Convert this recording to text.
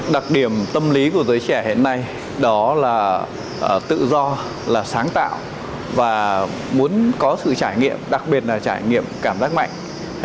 đặc điểm tâm lý của giới trẻ hiện nay đó là tự do là sáng tạo và muốn có sự trải nghiệm đặc biệt là trải nghiệm cảm giác mạnh